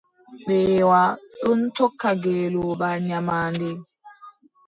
Mbeewa ɗon tokka ngeelooba nyamaande.